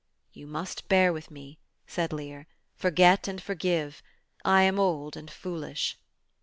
"You must bear with me," said Lear ; "forget and forgive. I am old and foolish."